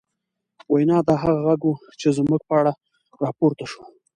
وينا، دا هغه غږ و، چې زموږ په اړه راپورته شو